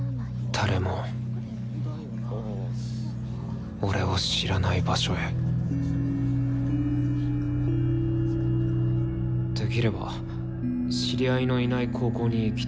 誰も俺を知らない場所へできれば知り合いのいない高校に行きたいんです。